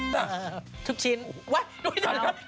ทุกชิ้นว่ะดูหน่อย